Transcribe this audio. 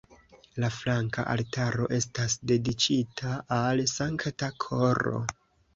La flanka altaro estas dediĉita al Sankta Koro.